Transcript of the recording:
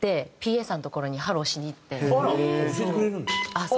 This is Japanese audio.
あっ！